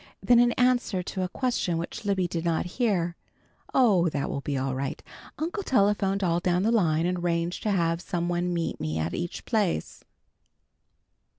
Then in answer to a question which Libby did not hear, "Oh, that will be all right. Uncle telephoned all down the line and arranged to have some one meet me at each place."